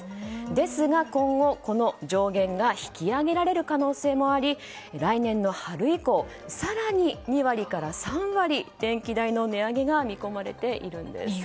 ですが今後、この上限が引き上げられる可能性もあり来年の春以降更に２割から３割電気代の値上げが見込まれているんです。